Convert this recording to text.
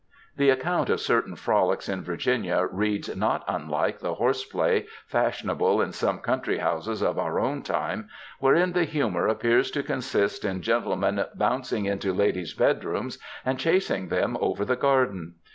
^ The account of certain frolics in Virginia reads not unlike the horse play fashionable in some country houses of our own time, wherein the humour appears to consist in gentle men bouncing into ladies^ bedrooms and chasing them over the garden.